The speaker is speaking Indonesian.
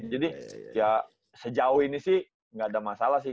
jadi ya sejauh ini sih gak ada masalah sih